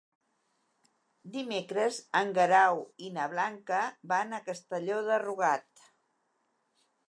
Dimecres en Guerau i na Blanca van a Castelló de Rugat.